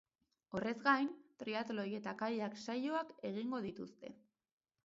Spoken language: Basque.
Horrez gain, triathloi eta kayak saioak egingo dituzte.